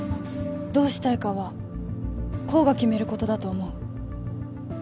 どうしたいかは功が決めることだと思う